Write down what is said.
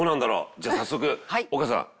じゃあ早速丘さん。